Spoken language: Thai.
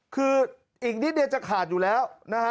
คืออีกนิดเดียวจะขาดอยู่แล้วนะฮะ